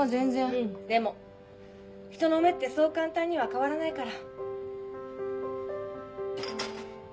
うんでもひとの目ってそう簡単には変わらないから。